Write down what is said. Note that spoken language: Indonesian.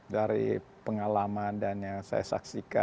dari pengalaman dan yang saya saksikan